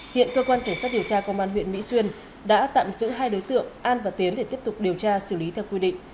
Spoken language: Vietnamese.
hiện cơ quan cảnh sát điều tra công an huyện mỹ xuyên đã tạm giữ hai đối tượng an và tiến để tiếp tục điều tra xử lý theo quy định